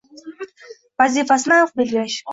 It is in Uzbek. Vazifasini aniq belgilash